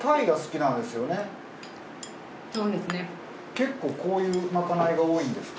結構こういうまかないが多いんですか？